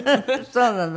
そうなの？